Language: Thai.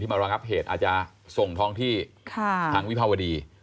มารองับเหตุอาจจะส่งท้องที่ทางวิภาวดี